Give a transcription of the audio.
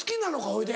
ほいで。